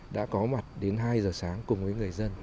đã có mặt đến hai giờ sáng cùng với người dân